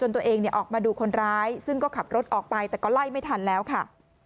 ตัวเองออกมาดูคนร้ายซึ่งก็ขับรถออกไปแต่ก็ไล่ไม่ทันแล้วค่ะ